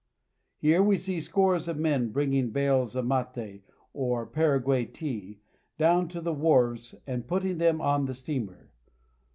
Here we see scores of men bringing bales of mate, or Paraguay tea, down to the wharves and putting them on the steamer.